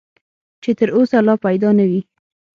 چې تر اوسه لا پیدا نه وي .